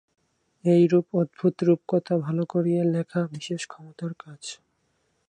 এইরূপ অদ্ভুত রূপকথা ভাল করিয়া লেখা বিশেষ ক্ষমতার কাজ।